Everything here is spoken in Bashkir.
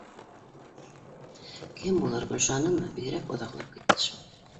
Кем булыр? Гөлшанымы? Бигерәк оҙаҡлап китте шул